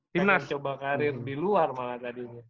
timnas coba karir di luar malah tadinya